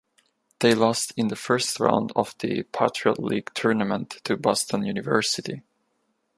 They lost in the first round of the Patriot League Tournament to Boston University.